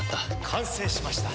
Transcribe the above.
完成しました。